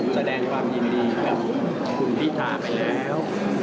แสดงความยินดีกับคุณพิธาไปแล้ว